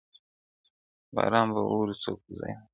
باران به اوري څوک به ځای نه درکوینه!.